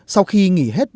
sau khi nghỉ hết